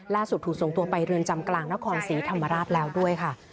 ถูกส่งตัวไปเรือนจำกลางนครศรีธรรมราชแล้วด้วยค่ะ